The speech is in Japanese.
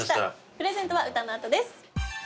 プレゼントは歌の後です。